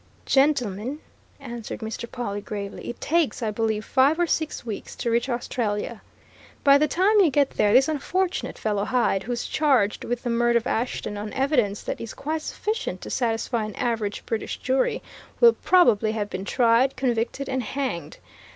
"Gentlemen," answered Mr. Pawle gravely, "it takes, I believe, five or six weeks to reach Australia. By the time you get there, this unfortunate fellow Hyde, who's charged with the murder of Ashton, on evidence that is quite sufficient to satisfy an average British jury, will probably have been tried, convicted and hanged.